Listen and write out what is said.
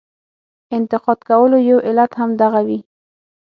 انتقاد کولو یو علت هم دغه وي.